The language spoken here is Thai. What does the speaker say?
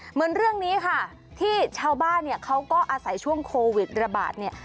เหมือนเรื่องนี้ค่ะที่ชาวบ้านเนี่ยเขาก็อาศัยช่วงโควิดระบาดเนี่ย